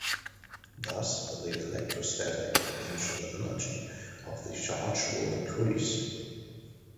Thus the electrostatic potential energy of the charge will increase.